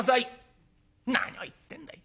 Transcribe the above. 何を言ってんだい。